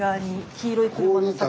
黄色い車の先に。